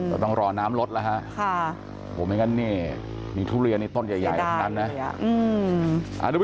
ใส่ฝนมาเนี่ยลมทะเลนี่ก็แรง